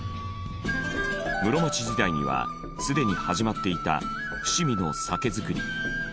室町時代にはすでに始まっていた伏見の酒造り。